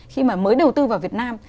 khi mà mới đầu tư vào việt nam